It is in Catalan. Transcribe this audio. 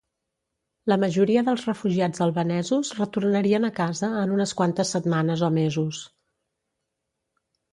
La majoria dels refugiats albanesos retornarien a casa en unes quantes setmanes o mesos.